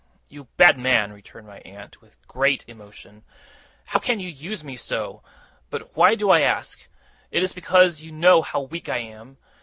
'You bad man,' returned my aunt, with great emotion; 'how can you use me so? But why do I ask? It is because you know how weak I am!